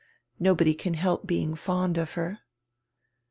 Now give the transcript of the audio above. Nobody can help being fond of her."